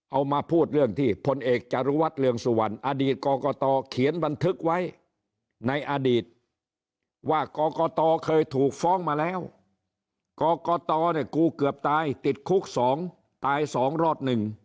เอามาพูดเรื่องที่พลเอกจารุวัฒน์เรืองสุวรรณอดีตกรกตเขียนบันทึกไว้ในอดีตว่ากรกตเคยถูกฟ้องมาแล้วกรกตเนี่ยกูเกือบตายติดคุก๒ตาย๒รอด๑